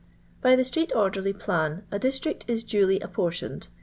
By the street orderly plan a district is duly apportioned.